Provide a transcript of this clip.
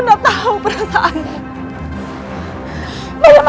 anda mau pergi ke rumah mereka